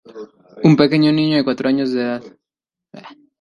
Un pequeño niño de cuatro años de edad.